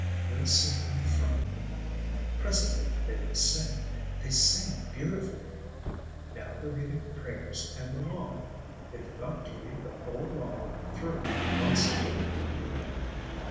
"We'll sit in the front. Presently they will sing. They sing beautifully. Now they're reading prayers and the Law. They've got to read the whole Law through once a week, you know."